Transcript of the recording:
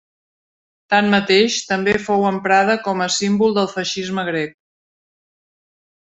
Tanmateix, també fou emprada com a símbol del feixisme grec.